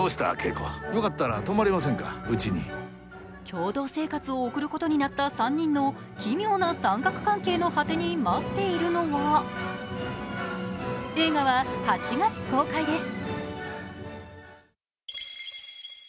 共同生活を送ることになった３人の奇妙な三角関係の果てに待っているのは映画は８月公開です。